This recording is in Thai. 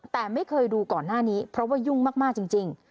แต่ไม่เคยดูก่อนหน้านี้เพราะว่ายุ่งมากจริง